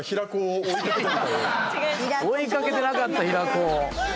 追いかけてなかった、平子。